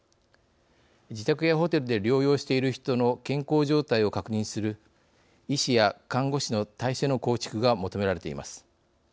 自宅やホテルで療養している人の健康状態を確認する医師や看護師の体制の構築が求められています。